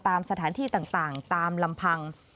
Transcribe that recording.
ตามสถานที่ต่างตามลำพัง